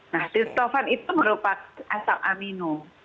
nah sistovan itu merupakan asam amino